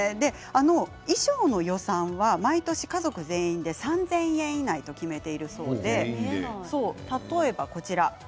衣装の予算は毎年、家族全員で３０００円以内と決めているそうで例えば、こちら。